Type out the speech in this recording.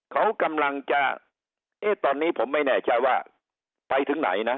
เขากำลังจะเอ๊ะตอนนี้ผมไม่แน่ใจว่าไปถึงไหนนะ